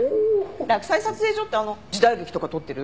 洛西撮影所ってあの時代劇とか撮ってる？